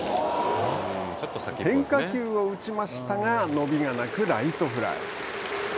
変化球を打ちましたが伸びがなく、ライトフライ。